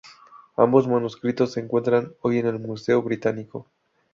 Ambos manuscritos se encuentran hoy en el Museo Británico.